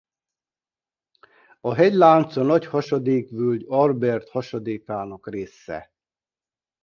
A hegylánc a Nagy-hasadékvölgy Albert-hasadékának része.